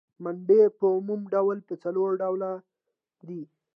منابع په عمومي ډول په څلور ډوله دي.